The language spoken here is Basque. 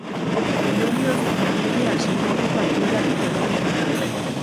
Ondorioz, langilea sei metroko altueratik erori egin da.